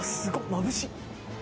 まぶしい。